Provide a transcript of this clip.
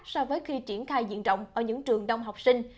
so với khi triển khai diện rộng ở những trường đông học sinh